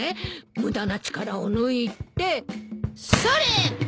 無駄な力を抜いてそれ！